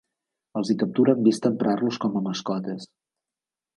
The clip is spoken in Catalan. Els hi captura amb vista a emprar-los com a mascotes.